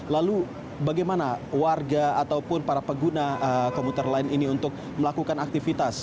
lalu bagaimana warga ataupun para pengguna komuter lain ini untuk melakukan aktivitas